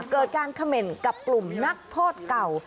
เกิดการค่ะเม็นต์กับปลุ่มนักโทษเก่า